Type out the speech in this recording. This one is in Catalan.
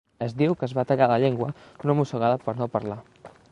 Es diu que es va tallar la llengua d'una mossegada per no parlar.